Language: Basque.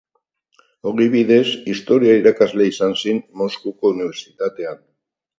Ogibidez, historia irakasle izan zen Moskuko Unibertsitatean.